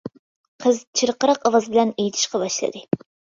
قىز چىرقىراق ئاۋاز بىلەن ئېيتىشقا باشلىدى.